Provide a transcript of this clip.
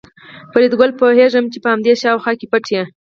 فریدګله پوهېږم چې په همدې شاوخوا کې پټ یې